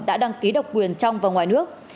đã đăng ký độc quyền trong và ngoài nước